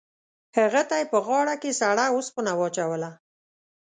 هغه ته یې په غاړه کې سړه اوسپنه واچوله.